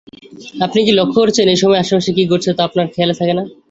আপনি কি লক্ষ করেছেন এই সময় আশেপাশে কী ঘটছে তা আপনার খেয়াল থাকে না?